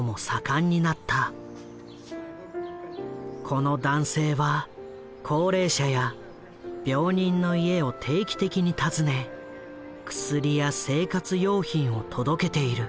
この男性は高齢者や病人の家を定期的に訪ね薬や生活用品を届けている。